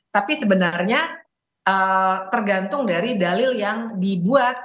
tapi sebenarnya tergantung dari dalil yang dibuat